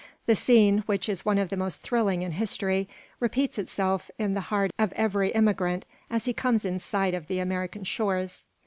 The scene, which is one of the most thrilling in history, repeats itself in the heart of every immigrant as he comes in sight of the American shores.